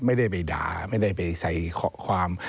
ไม่ได้ไปด่าไม่ได้ไปใส่ความ